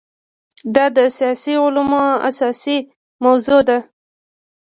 دا د سیاسي علومو اساسي موضوع ده.